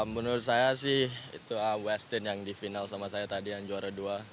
menurut saya sih itu westin yang di final sama saya tadi yang juara dua